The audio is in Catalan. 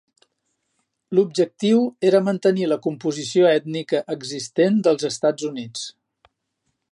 L'objectiu era mantenir la composició ètnica existent dels Estats Units.